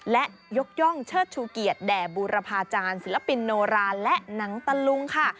และยกย่องเชิดชูเกียรติแด่บูรพาจารย์ศิลปินโนราและหนังตะลุงค่ะ